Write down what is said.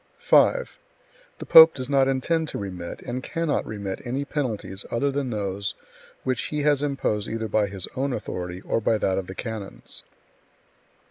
5. The pope does not intend to remit, and cannot remit any penalties other than those which he has imposed either by his own authority or by that of the Canons.